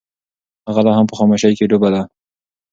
هغه لا هم په خاموشۍ کې ډوبه ده.